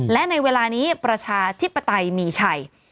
และในเวลานี้ประชาธิปไตยมีชัย